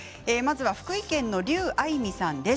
福井県の方から。